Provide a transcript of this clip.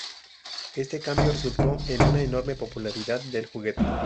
Este cambio resultó en una enorme popularidad del juguete.